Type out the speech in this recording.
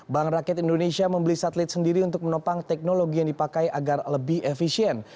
bank rakyat indonesia membeli satelit sendiri untuk menopang teknologi yang dipakai agar lebih efisien